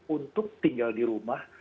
untuk tinggal di rumah